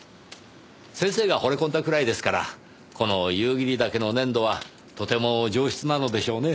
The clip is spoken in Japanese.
先生が惚れ込んだくらいですからこの夕霧岳の粘土はとても上質なのでしょうね。